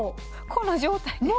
この状態で。